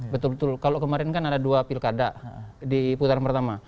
betul betul kalau kemarin kan ada dua pilkada di putaran pertama